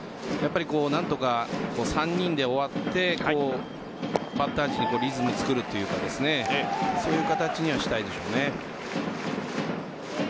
何とか３人で終わってバッター陣にリズムを作るというかそういう形にはしたいでしょうね。